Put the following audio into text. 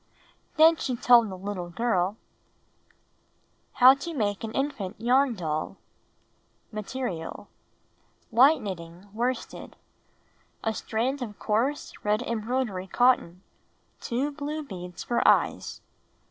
Then she told the little girl — How TO Make an Infant Yarn Doll Material : White knitting worsted. * A strand of coarse red em broidery cotton. Two blue beads for eyes.